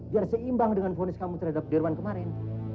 biar seimbang dengan ponis terhadapmu terhadap dirwan kemarin